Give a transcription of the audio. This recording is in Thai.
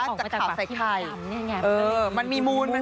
ออกมาจากขาวไส้ใกล้มันมีมูลพอจริง